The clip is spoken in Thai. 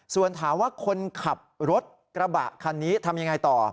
ส่วนถามว่าคนขับรถกระบะคันนี้ทำยังไงต่อ